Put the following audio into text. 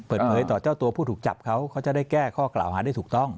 เปิดเผยต่อเจ้าตัวผู้ถูกจับเขาเขาจะได้แก้ข้อกล่าวหาได้ถูกต้อง